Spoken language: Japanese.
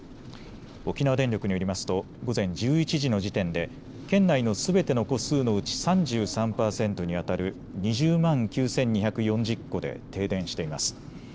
沖縄電力によりますと午前１１時の時点で県内のすべての戸数のうち３３％にあたる２０万９２４０戸で停電しています。